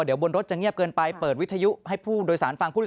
เผื่อบนรถเงียบเกินไปเปิดวิทยุไภพลัง